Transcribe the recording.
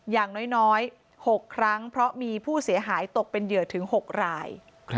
อย่างน้อย๖ครั้งเพราะมีผู้เสียหายตกเป็นเหยื่อถึง๖ราย